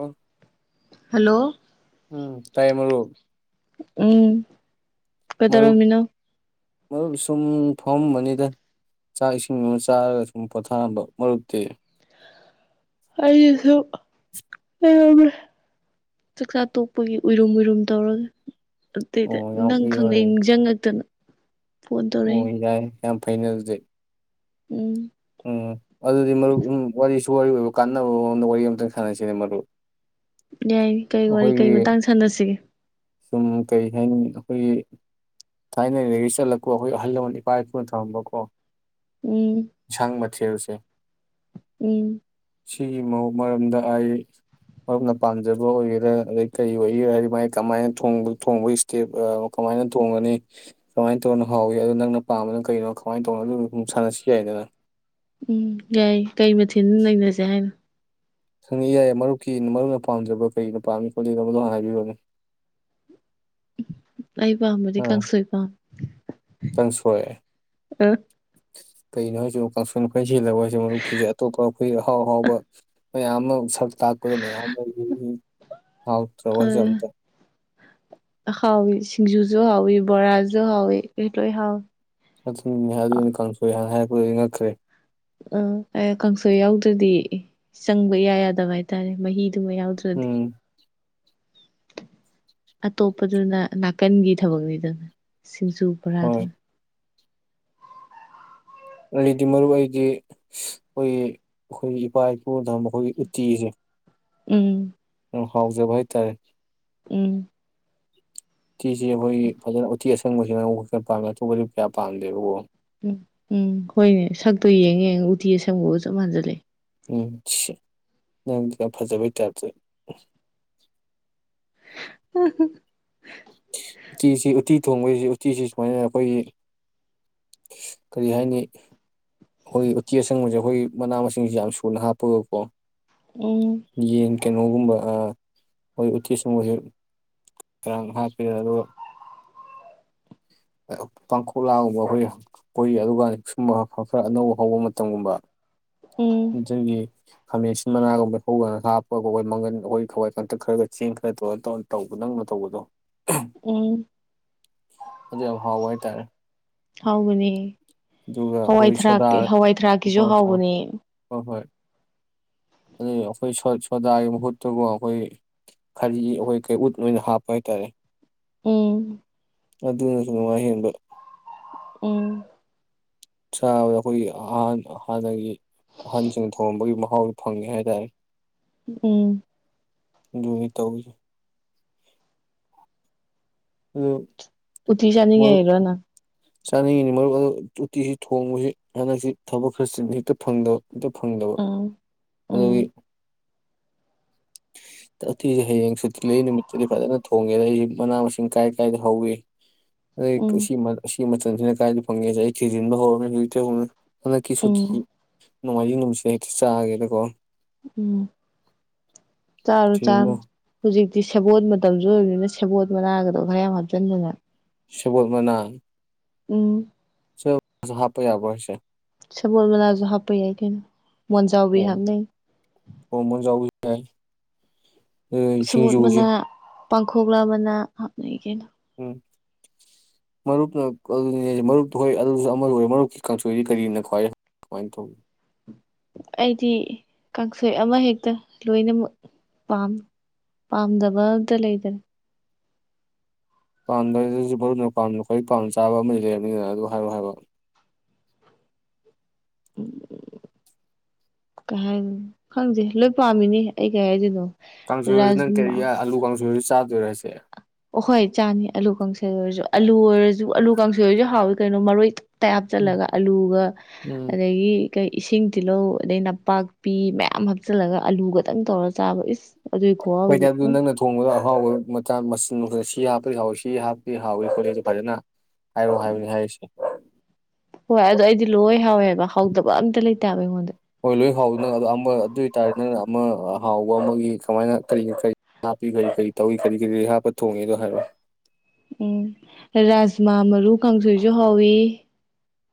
ꯑꯣ ꯍꯜꯂꯣ ꯎꯝ ꯇꯥꯏꯃꯔ ꯎꯝ ꯃꯨꯞ ꯀꯩꯗꯧꯔꯝꯃꯤꯅꯣ ꯃ ꯁꯨꯝ ꯐꯝꯕꯗ ꯆꯥꯛ ꯏꯁꯤꯡ ꯑꯃ ꯆꯥꯔꯒ ꯁꯨꯝ ꯄꯣꯊꯥꯝꯕ ꯃꯔꯨꯛꯇꯦ ꯑꯩꯁꯨ ꯑꯕ꯭ꯔꯦ ꯆꯥꯛꯆꯥ ꯇꯣꯛꯄꯒꯤ ꯎꯏꯔꯨꯝ ꯎꯏꯔꯨꯝ ꯇꯧꯔꯒ ꯑꯇꯩꯗꯤ ꯑꯣ ꯌꯥꯝ ꯅꯪ ꯎꯏꯔꯦ ꯈꯪꯅꯤꯡꯁꯤꯡꯪꯉꯛꯇꯅ ꯑꯣ ꯌꯥꯏ ꯌꯥꯝ ꯐꯩꯩꯅ ꯑꯗꯨꯖꯤꯛ ꯎꯝ ꯎꯝ ꯑꯗꯨꯗꯤ ꯃꯔꯨꯞ ꯎ ꯋꯥꯔꯤꯁꯨ ꯋꯥꯔꯤ ꯑꯣꯏꯕ ꯀꯥꯟꯅꯕ ꯃꯑꯣꯡꯗ ꯋꯥꯔꯤ ꯑꯃꯇꯪ ꯁꯥꯟꯅꯁꯤꯅꯦ ꯃꯔꯨꯞ ꯌꯥꯏ ꯀꯔꯤ ꯋꯥꯔꯤ ꯀꯔꯤ ꯑꯩꯈꯣꯏꯒꯤ ꯃꯇꯥꯡ ꯁꯥꯟꯅꯁꯤꯒꯦ ꯁꯨꯝ ꯀꯔꯤ ꯍꯥꯏꯅꯤ ꯑꯩꯈꯣꯏꯒꯤ ꯊꯥꯏꯅꯗꯒꯤ ꯆꯠꯂꯛꯀꯣ ꯑꯩꯈꯣꯏ ꯑꯍꯜ ꯂꯃꯟ ꯏꯄꯥ ꯏꯄꯨꯅ ꯊꯔꯝꯕꯀꯣ ꯎꯝ ꯃꯊꯔꯨꯁꯦ ꯎꯝ ꯁꯤꯒꯤ ꯃꯔꯝꯗ ꯑꯩ ꯃꯔꯨꯞꯅ ꯄꯥꯝꯖꯕ ꯑꯣꯏꯒꯦꯔꯥ ꯑꯗꯩ ꯀꯔꯤ ꯑꯣꯏꯒꯦꯔꯥ ꯍꯥꯏꯗꯤ ꯃꯥꯏ ꯀꯃꯥꯏꯅ ꯊꯣꯡ ꯀꯦꯞ ꯀꯃꯥꯏꯅ ꯊꯣꯡꯒꯅꯤ ꯀꯃꯥꯏꯅ ꯇꯧꯅ ꯍꯥꯎꯋꯤ ꯑꯣ ꯅꯪꯅ ꯄꯥꯝꯕꯗꯅ ꯀꯩꯅꯣ ꯀꯃꯥꯏ ꯇꯧꯅꯣ ꯑꯗꯨ ꯁ ꯁꯥꯟꯅꯁꯤ ꯌꯥꯏꯗꯅ ꯎꯝ ꯌꯥꯏ ꯀꯩ ꯃꯊꯤꯟ ꯅꯩꯅꯁꯦ ꯍꯥꯏꯅꯣ ꯁꯪꯉꯤ ꯌꯥꯏ ꯃꯔꯨꯞꯀꯤ ꯃꯔꯨꯞꯅ ꯄꯥꯝꯖꯕ ꯀꯔꯤꯩꯅ ꯄꯥꯝꯃꯤ ꯈꯣꯠꯂꯤꯕꯗꯣꯅ ꯍꯥꯏꯕꯤꯔꯣꯅꯦ ꯑꯩ ꯄꯥꯝꯕꯗꯤ ꯑꯥ ꯀꯥꯡꯁꯣꯏ ꯄꯥꯝ ꯀꯥꯡꯁꯣꯏ ꯑ ꯀꯩꯅꯣ ꯍꯥꯏꯁꯨ ꯀꯥꯡꯁꯟ ꯑꯩꯈꯣꯏꯁꯤꯦꯜꯜꯂꯒ ꯍꯥꯏꯁꯦ ꯃꯔꯨꯞꯀꯤꯁꯦ ꯑꯇꯣꯞꯄ ꯑꯩꯈꯣꯏ ꯑꯍꯥꯎ ꯑꯍꯥꯎꯕ ꯃꯌꯥꯝ ꯑꯃ ꯁꯛ ꯇꯥꯛꯄꯗ ꯃꯌꯥꯝ ꯂꯩꯔꯤ ꯍꯥꯎꯇ꯭ꯔ ꯋꯥ ꯍꯥꯏꯁꯦ ꯑꯝꯇ ꯍꯥꯎꯋꯤ ꯁꯤꯡꯖꯨꯁꯨ ꯍꯥꯎꯋꯤ ꯕꯣꯔꯥꯁꯨ ꯍꯥꯎꯋꯤ ꯂꯣꯏ ꯍꯥꯎꯋꯤ ꯆꯠꯅꯦ ꯍꯥꯏ ꯑꯗꯨꯅꯤ ꯀꯥꯡꯁꯣꯏ ꯍꯥꯏꯥꯟꯅ ꯍꯥꯏꯔꯛꯄꯗꯗꯒꯤ ꯉꯛꯈ꯭ꯔꯦ ꯑ ꯀꯥꯡꯁꯣꯏ ꯌꯥꯎꯗ꯭ꯔꯗꯤ ꯆꯪꯕ ꯌꯥ ꯌꯥꯗꯕ ꯍꯥꯏꯇꯥꯔꯦ ꯃꯍꯤꯗꯨꯃ ꯌꯥꯎꯗ ꯎꯝ ꯑꯇꯣꯞꯄꯗꯨꯅ ꯅꯥꯀꯟꯒꯤ ꯊꯕꯛꯅꯤꯗꯅ ꯁꯤꯡꯖꯨ ꯍꯣꯏ ꯔꯥꯗꯨꯅ ꯑꯗꯨꯗꯤ ꯃꯔꯨ ꯑꯣꯏꯗꯤ ꯑꯩꯈꯣꯏꯒꯤ ꯑꯩꯈꯣꯏꯒꯤ ꯏꯄꯥ ꯏꯄꯨꯅ ꯊꯝꯕ ꯑꯩꯈꯣꯏꯒꯤ ꯎꯇꯤꯁꯦ ꯎꯝ ꯎ ꯍꯥꯎꯖꯦꯕꯣꯏꯇꯥꯔꯦ ꯎꯝ ꯎꯇꯤꯁꯦ ꯑꯩꯈꯣꯏꯒꯤ ꯐꯖꯅ ꯎꯇꯤ ꯑꯁꯪꯕꯁꯤꯅ ꯅꯔ ꯄꯥꯝꯃꯦ ꯑꯇꯣꯞꯄꯗꯤ ꯀꯌꯥ ꯄꯥꯝꯗꯦꯕꯀꯣ ꯎꯝ ꯎꯝ ꯍꯣꯏꯅꯦ ꯁꯛꯇꯣ ꯌꯦꯡꯉꯦ ꯎꯇꯤ ꯑꯁꯪꯒꯒ ꯆꯞ ꯃꯥꯟꯖꯜꯂꯦ ꯎꯝ ꯁꯤ ꯅꯪꯗꯤ ꯌꯥꯝ ꯐꯖꯕꯩ ꯇꯥꯏꯞꯇꯣ ꯎꯝ ꯎꯇꯤꯁꯤ ꯎꯠꯇꯤ ꯊꯣꯡꯕꯁꯤ ꯎꯇꯤꯁꯤ ꯁꯨꯃꯥꯏꯅ ꯑꯩꯈꯣꯏꯒꯤ ꯀꯔꯤ ꯍꯥꯏꯅꯤ ꯑꯩꯈꯣꯏ ꯎꯇꯤ ꯑꯁꯪꯕꯁꯦ ꯑꯩꯈꯣꯏ ꯃꯅꯥ ꯃꯁꯤꯡꯁꯦ ꯌꯥꯝ ꯁꯨꯅ ꯍꯥꯞꯄꯒꯀꯣ ꯎ ꯌꯦꯟ ꯀꯩꯅꯣꯒꯨꯝꯕ ꯃꯣꯏ ꯎꯇꯤꯁꯁꯤꯡꯁ ꯉꯔꯥꯡ ꯍꯥꯞ ꯀ ꯌꯥ [inaudible] ꯄꯥꯡꯈꯣꯛꯂꯥꯒꯨꯝꯕ ꯑꯩꯈꯣꯏ ꯑꯩꯈꯣꯏ ꯑꯗꯨꯒꯅꯤꯛ ꯁꯨꯝꯕ ꯈꯔ ꯑꯅꯧꯕ ꯍꯧꯕ ꯃꯇꯝꯒꯨꯝꯕ ꯎꯝ ꯠꯇꯒꯤ ꯈꯥꯃꯦꯟ ꯑꯁꯤꯟ ꯃꯅꯥꯒꯨꯝꯕ ꯍꯧꯧꯗꯅ ꯍꯥꯞꯄꯒ ꯑꯩꯈꯣꯏ ꯃꯪꯒꯟ ꯑꯩꯈꯣꯏ ꯈꯋꯥꯏ ꯀꯥꯡꯇꯛ ꯈꯔ ꯈꯔ ꯆꯦꯡ ꯈꯔ ꯇꯧꯔꯒ ꯇꯧꯔꯒ ꯇꯧꯕ ꯅꯪꯅ ꯇꯧꯕꯗꯣ ꯎꯝ ꯑꯗꯨ ꯌꯥꯝ ꯍꯥꯎꯕ ꯍꯥꯏꯇꯥꯔꯦ ꯍꯥꯎꯕꯅꯤ ꯑꯗꯨꯒ ꯍꯋꯥꯏ ꯑꯩꯈꯣꯏ ꯁꯣꯗꯥ ꯊꯔꯥꯛꯀꯤ ꯍꯋꯥꯏ ꯊꯔꯥꯛꯀꯤꯁꯨ ꯍꯣꯏ ꯊꯥꯎ ꯍꯥꯎꯕꯅꯤ ꯍꯣꯏ ꯍꯣꯏ ꯑꯗꯨꯩ ꯑꯩꯈꯣꯏ ꯁꯗꯥꯏ ꯃꯍꯨꯠꯇꯀꯣ ꯑꯩꯈꯣꯏ ꯈꯔꯤ ꯑꯩꯈꯣꯏ ꯀꯩ ꯎꯠ ꯑꯣꯏꯅ ꯍꯥꯞꯄ ꯍꯥꯏꯇꯥꯔꯦ ꯎꯝ ꯑꯗꯨ ꯋꯥꯍꯤ ꯎꯝ ꯆꯥꯕꯗ ꯑꯩꯈꯣꯏꯒꯤ ꯑꯍ ꯍꯥꯟꯅꯒꯤ ꯑꯍꯟꯁꯤꯡꯅ ꯊꯣꯡꯉꯝꯕꯒꯤ ꯃꯍꯥꯎꯗꯨꯣ ꯐꯪꯉꯦ ꯍꯥꯏꯇꯥꯔꯦ ꯎꯝ ꯨꯅꯤ ꯇꯧꯁ ꯑꯗꯨ ꯎꯇꯤ ꯃ ꯆꯥꯅꯤꯡꯉꯛꯏꯔꯣ ꯅꯪ ꯆꯥꯅꯤꯡꯉꯤꯅꯤ ꯃꯔꯨꯞ ꯑꯗꯨꯣ ꯇꯇꯤꯁꯤ ꯊꯣꯡꯕꯁꯤ ꯍꯟꯗꯛꯁꯤ ꯊꯕꯛ ꯈꯔꯁꯤ ꯍꯦꯛꯇ ꯐꯪꯗꯕ ꯍꯛꯇ ꯐꯪꯗꯕ ꯎꯝ ꯑꯗꯨꯒꯤ ꯎꯝ ꯇꯊꯤꯁꯦ ꯍꯌꯦꯡ ꯁꯨꯤꯂꯛꯏ ꯅꯨꯃꯤꯠꯇꯗꯤ ꯐꯖꯅ ꯊꯣꯡꯉꯦꯗ ꯑꯩꯁꯦ ꯃꯅꯥ ꯃꯁꯤꯡ ꯀꯥꯏ ꯀꯥꯏꯗ ꯍꯧꯏꯤ [inaudible] ꯑꯗ ꯁꯤ ꯃꯁꯤꯅ ꯀꯥꯏꯏꯗ ꯐꯪꯉꯦꯁꯦ ꯑꯩ ꯊꯤꯖꯤꯟꯕ ꯍꯧꯔꯅꯤ ꯍꯧꯖꯤꯔ ꯍꯟꯗꯛꯀꯤ ꯁꯨꯇꯤ ꯎꯝ ꯅꯣꯡꯃꯥꯏꯖꯤꯡ ꯅꯨꯃꯤꯠꯁꯤꯗ ꯍꯦꯛꯇ ꯆꯥꯒꯦꯗꯀꯣ ꯎꯝ ꯆꯥꯔ ꯆꯔ ꯊꯤꯖꯤꯟꯕ ꯍꯧꯖꯤꯛꯇꯤ ꯁꯦꯕꯣꯠ ꯃꯇꯝꯁꯨ ꯑꯣꯏꯕꯅꯤꯅ ꯁꯦꯕꯣꯠ ꯃꯅꯥꯒꯗꯣ ꯈꯔ ꯌꯥꯝ ꯍꯥꯞꯆꯤꯟꯗꯅ ꯁꯤꯕꯜ ꯃꯅꯥ ꯎꯝ ꯍꯥꯞꯄ ꯌꯥꯕꯁꯦ ꯁꯃꯜ ꯃꯅꯥꯖꯣ ꯍꯥꯞꯄꯩ ꯌꯥ ꯑꯩꯈꯩꯅꯣ ꯃꯣꯟꯖꯥꯎꯕꯤ ꯍꯥꯞꯅꯩ ꯍꯣꯃꯅꯖꯥꯎꯤ ꯌꯥꯏ ꯑꯗꯨ ꯁꯃꯨꯠ ꯁꯤꯡꯖꯨꯁꯤ ꯃꯅꯥ ꯄꯥꯡꯈꯣꯛꯂꯥ ꯑꯃꯅꯥ ꯍꯥꯞꯅꯩ ꯀꯩꯅ ꯎꯝ ꯃꯔꯨꯞꯅ ꯑꯗꯨ ꯃꯔꯨꯞꯇ ꯍꯣꯏ ꯑꯗꯨꯁꯨ ꯑꯃꯨ ꯑꯣꯏ ꯃꯔꯨꯞꯀꯤ ꯀꯥꯡꯁꯣꯏꯗꯤ ꯀꯔꯤꯅꯣ ꯈ꯭ꯋꯥꯏ ꯀꯃꯥꯏꯅ ꯊꯣꯡ ꯑꯩꯗꯤ ꯀꯥꯡꯁꯣꯏ ꯑꯃꯍꯦꯛꯇ ꯂꯣꯏꯅꯃꯛ ꯄꯥꯝꯃꯤ ꯄꯥꯝꯗꯕ ꯑꯝꯇ ꯂꯩꯗꯅꯦ ꯄꯥꯝꯗꯁꯨꯅꯝ ꯈ꯭ꯋꯥꯏ ꯄꯥꯝ ꯆꯥꯕ ꯑꯃꯗꯤ ꯂꯩꯔꯕꯅꯤꯅ ꯑꯗꯨ ꯍꯥꯏꯌꯣ ꯍꯥꯏꯕ ꯀꯩ ꯍꯥꯏꯅꯤ ꯈꯪꯗꯦ ꯂꯣꯏ ꯄꯥꯝꯃꯤꯅꯤ ꯑꯩ ꯀꯩ ꯍꯥꯏꯗꯣꯏꯅꯣ ꯀꯥꯡꯁꯣꯏꯁꯤ ꯅꯪ ꯔꯥꯖꯃꯥ ꯀꯔꯤ ꯑꯜꯂꯨ ꯀꯥꯡꯁꯣꯏꯁꯤ ꯆꯥꯗꯣꯏꯔꯁꯦ ꯑꯣꯍꯣꯏ ꯆꯥꯅꯤ ꯑꯂꯨ ꯀꯥꯡꯁꯩ ꯑꯣꯏꯔꯁꯨ ꯑꯥꯂꯨ ꯑꯣꯏꯔꯁꯨ ꯑꯥꯂꯨ ꯀꯥꯡꯁꯩ ꯑꯣꯏꯔꯁꯨ ꯍꯥꯎꯏ ꯀꯩꯅꯣ ꯃꯔꯣꯏ ꯇꯌꯥꯞ ꯎꯝ ꯆꯜꯂꯒ ꯑꯂꯨꯒ ꯎꯝ ꯑꯗꯒꯤ ꯏꯁꯤꯡ ꯇꯤꯜꯍꯧ ꯑꯗꯩ ꯅꯄꯥꯛꯄꯤ ꯃꯌꯥꯝ ꯍꯥꯞꯆꯤꯜꯂꯒ ꯑꯂꯨꯒꯗꯪ ꯇꯧꯔ ꯆꯥꯕ ꯏꯁ ꯑꯗꯨꯏ ꯍꯣꯏ ꯈꯨꯍꯥꯎꯗꯤ ꯎꯝ ꯆꯒꯨꯟꯗꯪ ꯅ ꯊꯣꯡꯕꯗ ꯑꯍꯥꯎꯕ ꯃ ꯃꯆꯤꯟ ꯁꯤ ꯍꯥꯞꯄꯗꯤ ꯍꯥꯎꯋꯏ ꯁꯤ ꯍꯥꯞꯇꯗꯤ ꯍꯥꯎꯋꯏ ꯈꯣꯠ ꯑꯗꯨ ꯐꯖꯅ ꯍꯥꯏꯌꯨ ꯍꯥꯏꯕꯅꯦ ꯍꯥꯏꯔꯤꯁꯦ ꯍꯣꯏ ꯑꯗꯣ ꯑꯩꯗꯤ ꯂꯣꯏ ꯍꯥꯎꯋꯦꯕ ꯍꯥꯎꯗꯕ ꯑꯝꯇ ꯂꯩꯇꯕ ꯑꯩꯉꯣꯟꯗ ꯍꯣꯏ ꯂꯣꯏ ꯍꯥꯎꯗꯅ ꯑꯣ ꯑꯃ ꯑꯗꯨ ꯑꯣꯏꯇꯥꯔꯗꯤ ꯅꯪꯅ ꯑꯃ ꯍꯥꯎꯕ ꯑꯃꯒꯤ ꯀꯃꯥꯏꯅ ꯀꯔꯤꯅꯣ ꯀꯔꯤ ꯍꯥꯞꯄꯤ ꯀꯔꯤ ꯀꯔꯤ ꯇꯧꯏ ꯀꯔꯤ ꯀꯔꯤꯔꯤ ꯍꯥꯞꯄ ꯊꯣꯡꯉꯦꯅꯗꯣ ꯍꯥꯏꯔꯣ ꯎꯝ ꯔꯥꯖꯃꯥ ꯃꯔꯨ ꯀꯥꯡꯁꯣꯏꯁꯨ ꯍꯥꯎꯋ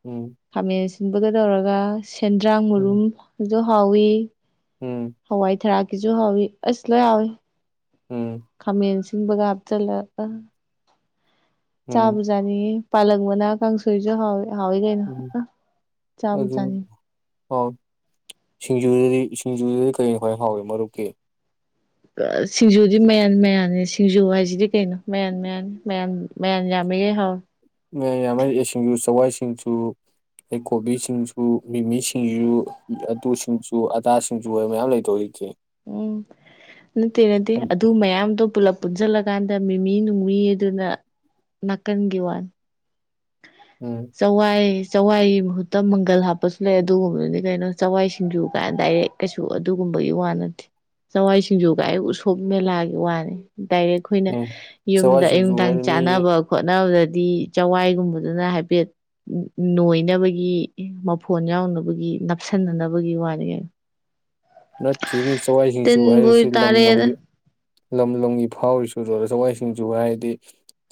ꯎꯝ ꯈꯥꯃꯦꯟ ꯑꯁꯤꯟꯕꯗ ꯇꯧꯔꯒ ꯁꯦꯟꯗ꯭ꯔꯥꯡ ꯎꯝ ꯃꯔꯨꯝꯁꯨ ꯍꯥꯎꯋꯤ ꯎꯝ ꯍꯋꯥꯏ ꯊꯔꯥꯀꯤꯁꯨ ꯍꯋ ꯑꯁ ꯂꯣꯏꯋ ꯎꯝ ꯈꯥꯃꯦꯟꯁꯤꯡꯕꯒ ꯍꯥꯞꯆꯜꯂꯒ ꯆꯥ ꯎꯝ ꯕꯨꯖꯥꯅꯤ ꯄꯜꯛ ꯃꯅꯥ ꯀ ꯀꯥꯡꯥꯡꯁꯔꯤꯁꯨ ꯍ ꯍꯥꯎꯒꯩꯅ ꯎꯝ ꯑꯗꯨ ꯑ ꯁꯤꯡꯖꯨꯗꯗꯤ ꯁꯤꯡꯖꯨꯗꯗꯤ ꯀꯔꯤꯣ ꯈꯥꯏ ꯍꯥꯎꯏꯤ ꯃꯔꯨꯞꯀꯤ ꯁꯤꯡꯖꯨꯗꯤ ꯃꯌꯥꯟ ꯃꯌꯥꯅꯤ ꯁꯤꯡꯖꯨ ꯍꯥꯏꯁꯤꯗꯤ ꯀꯩꯅꯣ ꯃꯌꯥꯟ ꯃꯌꯥꯅꯤ ꯃꯌꯥꯟ ꯃ ꯑꯟꯖꯃꯤ ꯍꯥꯎ ꯌꯥꯝꯃ ꯁꯤꯡꯖ ꯆꯋꯥꯏ ꯁꯤꯡꯖꯨ ꯑꯩꯗꯩ ꯀꯣꯕꯤ ꯁꯤꯡꯁꯨ ꯃꯤꯃꯤ ꯁꯤꯡꯁꯨ ꯑꯗꯨ ꯁꯤꯡꯖꯨ ꯑꯗꯥ ꯁꯤꯡꯖꯨ ꯑꯣꯏꯕ ꯃꯌꯥꯝ ꯂꯩꯗꯧꯔꯤꯈꯤ ꯎꯝ ꯅꯠꯇꯦ ꯅꯠꯇꯦ ꯑꯗꯨ ꯃꯌꯥꯝꯗꯣ ꯄꯨꯂꯞ ꯄꯨꯟꯁꯤꯜꯂꯀꯥꯟꯗ ꯃꯤꯃꯤ ꯅꯨꯡꯃꯤ ꯑꯗꯨꯅ ꯅꯥꯀꯟꯒꯤ ꯋꯥꯅꯤ ꯎꯝ ꯆꯋꯥꯏ ꯆꯋꯥꯏꯒꯤ ꯃꯍꯨꯠꯇ ꯃꯪꯒꯜ ꯍꯥꯞꯄꯁꯨ ꯂꯩ ꯑꯗꯨꯒꯨꯝꯕꯗꯨꯗꯤ ꯀꯩꯅꯣ ꯆꯋꯥꯏ ꯁꯤꯡꯖꯨ ꯀꯥꯟꯗ ꯗꯥꯏꯔꯦꯛ ꯀꯩꯁꯨ ꯑꯗꯨꯒꯨꯝꯕꯒꯤ ꯋꯥ ꯅꯠꯇꯦ ꯆꯋꯥꯏ ꯁꯤꯡꯖꯨꯒ ꯑꯩ ꯎꯁꯣꯞ ꯃꯦꯂꯥꯒꯤ ꯋꯥꯅꯤ ꯗꯥꯏꯔꯦꯛ ꯑꯩꯈꯣꯏꯅ ꯎꯝ ꯆꯋꯥꯏ ꯌꯨꯝꯗ ꯁꯤꯡꯖꯨ ꯑꯌꯅꯨꯡꯗꯥꯡ ꯍꯥꯏꯔꯦ ꯃꯤꯒꯤ ꯆꯥꯅꯕ ꯈꯣꯠꯅꯕꯗꯗꯤ ꯆꯋꯥꯏ ꯇꯨꯝꯕꯗꯨꯗ ꯍꯥꯏꯐꯦꯠ ꯅꯣꯏꯅꯕꯒꯤ ꯃꯐꯣꯟ ꯌꯥꯎꯅꯕꯒꯤ ꯅꯞꯁꯤꯟꯅꯅꯕꯒꯤ ꯋꯥꯅꯤ ꯀ ꯅ ꯊꯤ ꯃꯤ ꯆꯋꯥꯏ ꯁꯤꯡꯆꯨ ꯇꯤꯟꯕꯨ ꯍꯥꯏꯁꯤ ꯂꯝ ꯇꯥꯔꯦꯗ ꯂꯝꯒꯤ ꯂꯝ ꯂꯝꯒꯤ ꯐꯥꯎꯔꯤꯁꯨ ꯆꯋꯥꯏꯁꯤꯡꯁꯨ ꯍꯥꯏꯔꯗꯤ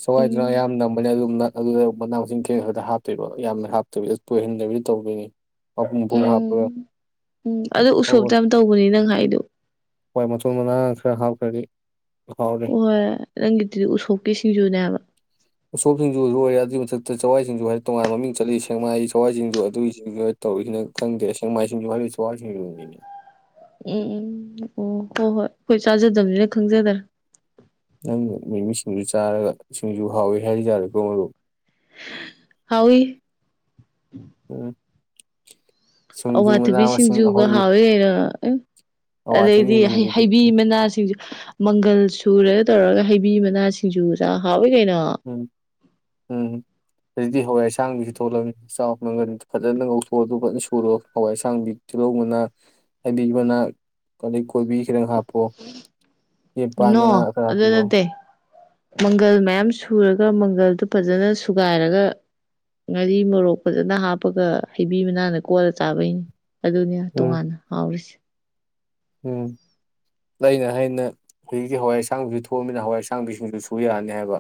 ꯆꯋꯥꯏꯗꯨꯅ ꯎꯝ ꯑꯌꯥꯝ ꯅꯝꯕꯅꯦ ꯑꯗꯨꯝꯅ ꯑꯗꯨꯗ ꯃꯅꯥ ꯃꯁꯤꯡ ꯈꯦ ꯈꯔꯗ ꯍꯥꯞꯇꯣꯏꯕ ꯌꯥꯝꯅ ꯍꯥꯞꯇꯣꯏꯕ ꯇꯣꯏꯍꯟꯗꯕꯤꯗꯤ ꯇꯧꯗꯣꯏꯅꯤ ꯃꯄꯨꯝ ꯄꯨꯝ ꯍꯥꯞꯄꯦ ꯎꯝ ꯎꯝ ꯑꯗꯨ ꯎꯁꯣꯞꯇ ꯌꯥꯝ ꯇꯧꯕꯅꯤ ꯅꯪ ꯍꯥꯏꯗꯣ ꯍꯣꯏ ꯃꯆꯨ ꯃꯅꯥ ꯈꯔ ꯍꯥꯞꯇ꯭ꯔꯗꯤ ꯍꯥꯎꯔꯤꯦ ꯍꯣꯏ ꯅꯪꯒꯤꯗꯨꯗꯤ ꯎꯁꯣꯞꯀꯤ ꯁꯤꯡꯖꯨꯅꯦꯕ ꯑꯁꯣꯞꯁꯤꯡꯁꯨ ꯂꯣꯏꯔꯦ ꯑꯗꯨꯏ ꯃꯊꯛꯇ ꯆꯋꯥꯏꯁꯤꯡꯁꯨ ꯍꯥꯏꯗꯤ ꯇꯣꯉꯥꯟꯕ ꯃꯃꯤꯡ ꯆꯠꯂꯤ ꯁꯦꯡꯃꯥꯏ ꯆꯋꯥꯏ ꯁꯤꯡꯁꯨ ꯑꯗꯨꯒꯤꯁꯤꯡ ꯇꯧꯔꯤꯁꯤꯅ ꯈꯪꯗꯦ ꯁꯦꯡꯃꯥꯏꯁꯤꯡꯁꯨ ꯍꯥꯏ ꯁꯋꯥꯔꯁꯤꯡꯁꯨ ꯌꯨꯅꯤꯅꯦ ꯎꯝ ꯎꯝ ꯑꯣ ꯍꯣꯏ ꯍꯣꯏ ꯑꯩꯈꯣꯏ ꯆꯥꯖꯗꯕꯅꯤꯅ ꯈꯪꯖꯗꯔꯦ ꯅꯪꯅ ꯃꯤꯃꯤꯁꯤꯡꯁꯨ ꯆꯥꯔꯒ ꯁꯤꯡꯁꯨ ꯍꯥꯎꯋꯤ ꯍꯥꯏꯔꯤꯇꯥꯥꯔꯦꯀꯣ ꯃꯗꯨ ꯍꯥꯎꯏ ꯎꯝ ꯁꯤꯡꯖꯨ ꯃꯅꯥ ꯃꯁꯤꯡ ꯑꯋꯥꯊꯕꯤꯁꯤꯡꯁꯨꯒ ꯑꯩꯈꯣꯏꯒꯤ ꯍꯥꯎꯋꯤ ꯀꯩꯅꯣ ꯑꯗꯩꯗꯤ ꯑꯋꯥꯊꯕꯤꯁꯤꯡꯖꯨꯗꯨꯗꯤ ꯍꯩꯕꯤ ꯃꯅꯥꯁꯤꯡꯁꯨ ꯃꯪꯒꯜ ꯁꯨꯔꯒ ꯇꯧꯔꯒ ꯍꯩꯕꯤ ꯃꯅꯥ ꯁꯤꯡꯖꯨ ꯆꯥꯛ ꯍꯥꯎꯏꯤ ꯀꯩꯅꯣ ꯎꯝ ꯎ ꯑꯗꯨꯛꯇꯗꯤ ꯍꯋꯥꯏ ꯍꯁꯥꯡꯗꯤꯁꯨ ꯊꯣꯛꯂꯕꯅꯤ ꯆꯥꯎ ꯅꯪꯒꯅꯤ ꯐꯖꯅ ꯉꯧꯊꯣꯛꯑ ꯑꯗꯨ ꯐꯖꯅ ꯁꯨꯔꯣ ꯍꯋꯥꯏ ꯑꯁꯥꯡꯗꯤ ꯇꯤꯜꯍꯧ ꯃꯅꯥ ꯍꯥꯏꯗꯤ ꯏꯃꯅꯥ ꯑꯗꯩ ꯀꯣꯕꯤ ꯈꯤꯇꯪ ꯍꯥꯞꯄ ꯅꯣ ꯑꯗꯨ [unintelligible] ꯅꯠꯇꯦ ꯃꯪꯒꯜ ꯃꯌꯥꯝ ꯁꯨꯔꯒ ꯃꯪꯒꯜꯗꯨ ꯐꯖꯅ ꯁꯨꯒꯥꯏꯔꯒ ꯉꯥꯔꯤ ꯃꯣꯔꯣꯛ ꯐꯖꯅ ꯍꯥꯞꯄꯒ ꯍꯩꯕꯤ ꯃꯅꯥꯟꯒ ꯀꯣꯜꯂꯒ ꯆꯥꯕꯩꯅꯤ ꯑꯗꯨꯅꯦ ꯎꯝ ꯇꯣꯉꯥꯟꯅ ꯍꯥꯎꯔꯤꯁꯦ ꯎꯝ ꯑꯩꯅ ꯍꯥꯏꯅ ꯍꯧꯖꯤꯛꯇꯤ ꯍꯋꯥꯏ ꯑꯁꯥꯡꯁꯨ ꯊꯣꯛꯑꯕꯅꯤꯅ ꯍꯋꯥꯏ ꯑꯁꯥꯡꯕꯤꯁꯤꯡꯁꯨ ꯁꯨ ꯌꯥꯔꯅꯤ ꯍꯥꯏꯕ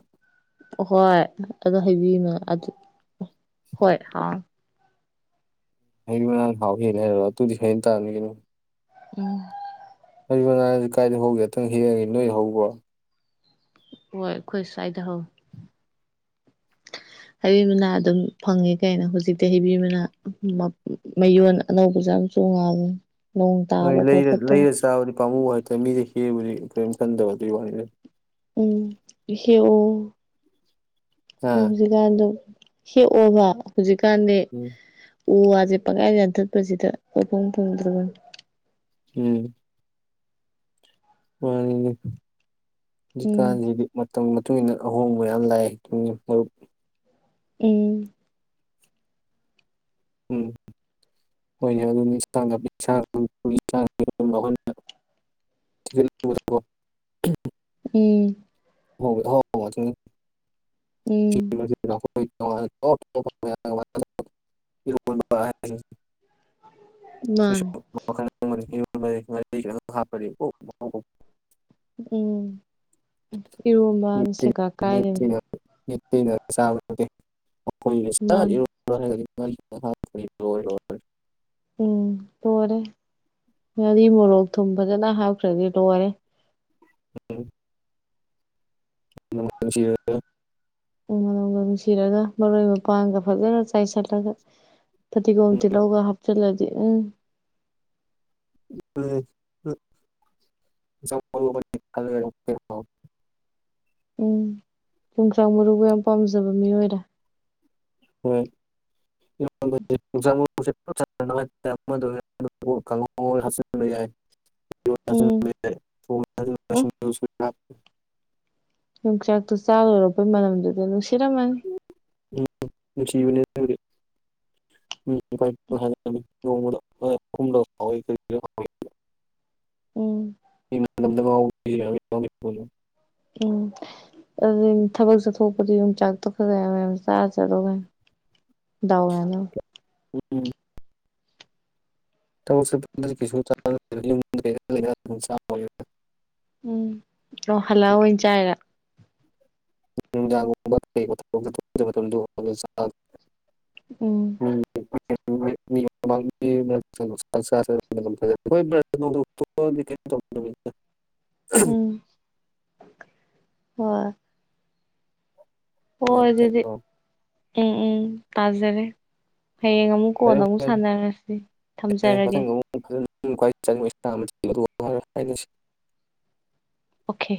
[unintelligible] ꯍꯩꯕꯤ ꯃꯅꯥꯅ ꯍꯥꯎꯕ ꯍꯦꯜꯂꯤꯔꯣ ꯑꯗꯨꯨꯗꯤ ꯍꯦꯟꯇꯕꯅꯤ ꯀꯩꯅꯣ [unintelligible] ꯍꯩꯕꯤꯃꯅꯥ ꯀꯥꯏꯗ ꯍꯧꯖꯒꯦ ꯑꯝꯇ ꯍꯦꯛꯀꯦ ꯅꯣꯏꯗ ꯍꯧꯕ꯭ꯔꯣ ꯍꯣꯏ ꯑꯩꯈꯣꯏ ꯁ꯭ꯋꯥꯏꯗ ꯍꯧꯏ ꯍꯩꯕꯤ ꯃꯅꯥ ꯑꯗꯨꯝ ꯐꯪꯉꯤ ꯀꯩꯅꯣ ꯍꯧꯖꯤꯛꯇꯤ ꯍꯩꯕꯤ ꯃꯅꯥ ꯃꯌꯣꯟ ꯑꯅꯧꯕꯁꯨꯦ ꯌꯥꯝ ꯆꯣꯡꯉꯕꯅꯤ ꯍꯣꯏ ꯂꯩꯔ ꯂꯩꯔ ꯆꯥꯕꯅꯤ ꯄꯥꯝꯃꯨ ꯍꯥꯏꯇꯥꯔꯦ ꯃꯤꯗꯩ ꯍꯦꯛꯑꯕꯨꯗꯤ ꯀꯔꯤꯝ ꯈꯟꯗꯕ ꯑꯗꯨꯒꯤ ꯋꯥꯅꯤꯅꯦ ꯎꯝ ꯍꯦꯛ ꯑꯣ ꯍꯥ ꯍꯧꯖꯤꯛꯀꯥꯟꯗ ꯍꯦꯛꯑꯣꯕ ꯍꯧꯖꯤꯛꯀꯥꯟꯗꯤ ꯎꯝ ꯎ ꯋꯥꯁꯦ ꯄꯪꯌꯥꯟ ꯌꯥꯟꯊꯠꯄꯁꯤꯗ ꯄꯪꯄꯨꯝ ꯄꯨꯡꯗ꯭ꯔꯕꯅꯤ ꯎꯝ ꯃꯅꯤꯅꯦ ꯎꯝ ꯍꯧꯖꯤꯛꯀꯥꯟꯖꯤꯗꯤ ꯃꯇꯝ ꯃꯇꯨꯡ ꯏꯟꯅ ꯑꯍꯣꯡꯕ ꯌꯥꯝ ꯂꯥꯛꯑꯦ ꯗꯨꯅꯤ ꯃꯔꯨꯞ ꯑꯝ ꯎꯝ [unintelligible] [inaudible] ꯎꯝ [unintelligible] ꯎꯝ [unintelligible] ꯃꯥꯅꯦ [unintelligible] ꯎꯝ ꯏꯔꯣꯝꯕꯅ ꯁꯦꯒꯥꯛ ꯀꯥꯏꯔꯤꯕꯅꯤ ꯃꯥꯅꯦ [unintelligible] [unintelligible] ꯎꯝ ꯂꯣꯏꯔꯦ ꯉꯥꯔꯤ ꯃꯣꯔꯣꯛ ꯊꯨꯝ ꯐꯖꯅ ꯍꯥꯞꯈ꯭ꯔꯗꯤ ꯂꯣꯏꯔꯦ [unintelligible] [unintelligible] ꯎꯝ ꯃꯅꯝꯒ ꯅꯨꯡꯁꯤꯔꯒ ꯃꯔꯣꯏ ꯃꯄꯥꯡꯒ ꯐꯖꯅ ꯆꯥꯏꯁꯤꯜꯂꯒ ꯐꯗꯤꯒꯣꯝ ꯇꯤꯜꯍꯧꯒ ꯍꯥꯞꯆꯜꯂꯗꯤ ꯎꯝ ꯌꯣꯡꯆꯥꯛ ꯃꯔꯨ ꯑꯃꯅꯤ ꯊꯥꯗꯔꯒ ꯎꯝ ꯌꯣꯡꯆꯥꯛ ꯃꯔꯨꯒ ꯌꯥꯝ ꯄꯥꯝꯖꯕ ꯃꯤꯔꯣꯏꯔꯦ ꯍꯣꯏ ꯎꯝ ꯎꯝ [unintelligible] [unintelligible] [inaudible] ꯌꯣꯡꯆꯥꯛꯇꯣ ꯆꯥꯂꯣꯔꯛꯄꯩ ꯃꯅꯝꯗꯨꯗ ꯅꯨꯡꯁꯤꯔꯝꯃꯅꯤ ꯎꯝ ꯅꯤꯡꯁꯤꯡꯕꯅꯦꯗꯨꯕꯨꯗꯤ [unintelligible] ꯎꯝ [unintelligible] ꯎꯝ ꯑꯗꯨ ꯊꯕꯛ ꯆꯠꯊꯣꯛꯄꯗꯤ ꯌꯣꯡꯆꯥꯛ ꯇꯣ ꯈꯔ ꯈꯔ ꯌꯥꯝ ꯌꯥꯝ ꯆꯥꯔ ꯆꯠꯂꯣꯍꯦ ꯗꯥꯎ ꯋꯥꯅꯕ ꯎꯝ ꯊꯕꯛ ꯆꯠꯊꯣꯛꯄꯗꯗꯤ ꯀꯩꯁꯨ ꯆꯥꯗꯦꯗ ꯌꯥꯝꯗ ꯂꯩꯔ ꯂꯩꯔ ꯃꯇꯝꯗꯅꯤ ꯎꯝ ꯑꯣ ꯍꯜꯂꯛꯑꯑꯣꯏ ꯑꯣꯏꯅ ꯆꯥꯏꯔ [unintelligible] ꯑꯣ [unintelligible] [unintelligible] ꯑꯣ ꯍꯣꯏ ꯑꯗꯨꯗꯤ ꯎꯝ ꯎꯝ ꯎꯝ ꯇꯥꯖꯔꯦ ꯍꯌꯦꯡ ꯑꯃꯨꯛ ꯀꯣꯟ ꯑꯃꯨꯛ ꯁꯥꯟꯅꯔꯁꯤ ꯊꯝꯖꯔꯒꯦ ꯐꯖ ꯈ꯭ꯋꯥꯏ ꯆꯪꯕ ꯏꯁ ꯍꯥꯏꯅꯁꯤ ꯑꯣꯀꯦ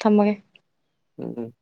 ꯊꯝꯃꯒꯦ ꯎꯝ ꯎꯝ